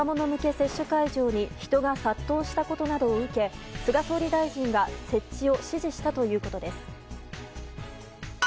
接種会場に人が殺到したことなどを受け菅総理大臣が設置を指示したということです。